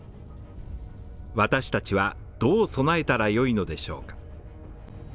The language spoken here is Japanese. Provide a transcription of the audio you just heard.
私達は、どう備えたらよいのでしょうか？